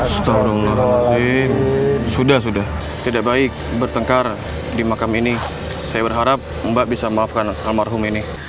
sekarang sudah sudah tidak baik bertengkar di makam ini saya berharap mbak bisa maafkan almarhum ini